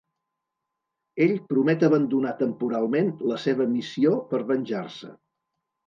Ell promet abandonar temporalment la seva missió per venjar-se.